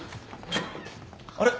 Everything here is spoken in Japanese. あれ？